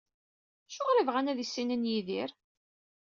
Acuɣer i bɣan ad issinen Yidir?